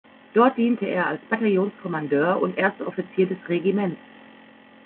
Dort diente er als Bataillonskommandeur und Erster Offizier des Regiments.